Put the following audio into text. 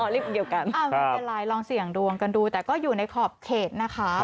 ไม่เป็นไรลองเสี่ยงดวงกันดูแต่ก็อยู่ในขอบเขตนะคะ